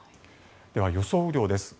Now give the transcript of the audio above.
では予想雨量です。